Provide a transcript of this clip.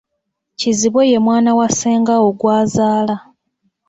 Kizibwe ye mwana wa Ssengaawo gw'azaala.